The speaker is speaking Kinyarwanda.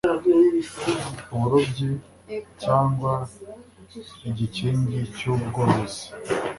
uburobyi cyangwa igikingi cy ubworozi